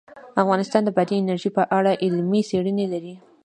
افغانستان د بادي انرژي په اړه علمي څېړنې لري.